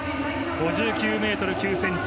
５９ｍ９ｃｍ。